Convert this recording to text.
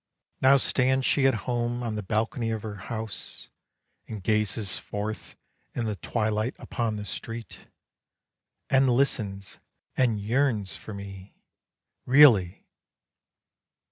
Now stands she at home on the balcony of her house, And gazes forth in the twilight upon the street, And listens and yearns for me, really!